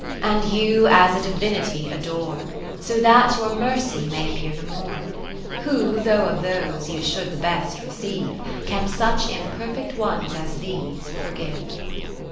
And you as a Divinity adore. That so your mercy may appear the more ; Who, though of those you should the best receive, Can such imperfect ones as these forgive.